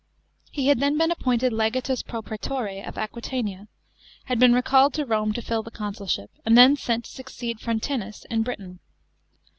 He had then been appointe 1 legatus pro prsetore of Aquitania, had been recalled to Rome to fill the consulship, and then sent to succeed Front inus in Britain.